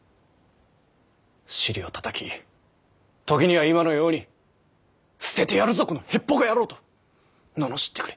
尻をたたき時には今のように「捨ててやるぞこのへっぽこ野郎」と罵ってくれ。